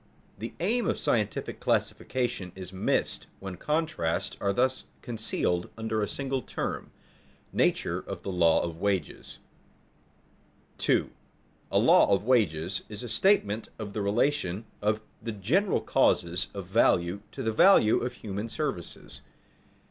The aim of scientific classification is missed when contrasts are thus concealed under a single term. [Sidenote: Nature of the law of wages] 2. _A law of wages is a statement of the relation of the general causes of value to the value of human services.